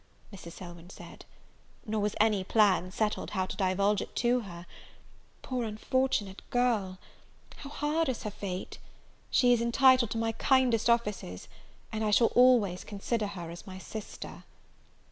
"No," Mrs. Selwyn said; nor was any plan settled how to divulge it to her. Poor unfortunate girl! how hard is her fate! She is entitled to my kindest offices, and I shall always consider her as my sister.